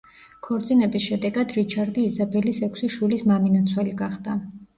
ქორწინების შედეგად რიჩარდი იზაბელის ექვსი შვილის მამინაცვალი გახდა.